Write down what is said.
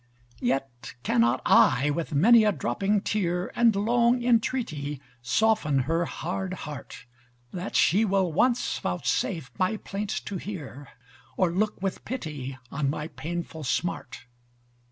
Yet cannot I, with many a dropping tear, And long entreaty, soften her hard heart: That she will once vouchsafe my plaint to hear, Or look with pity on my painful smart.